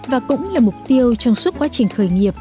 và cũng là mục tiêu trong suốt quá trình khởi nghiệp